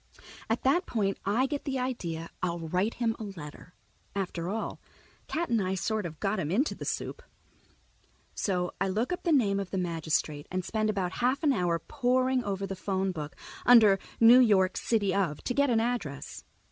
At that point I get the idea I'll write him a letter. After all, Cat and I sort of got him into the soup. So I look up the name of the magistrate and spend about half an hour poring through the phone book, under "New York, City of," to get an address.